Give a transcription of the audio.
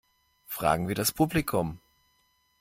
Fragen wir das Publikum!